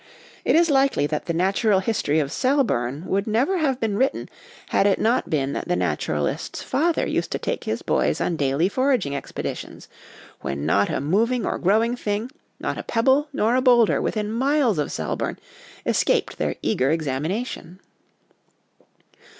It is likely that the Natural History of OUT OF DOOR LIFE FOR THE CHILDREN 59 Selborne would never have been written had it not been that the naturalist's father used to take his boys on daily foraging expeditions, when not a moving or growing thing, not a pebble nor a boulder within miles of Selborne, escaped their eager examina tion.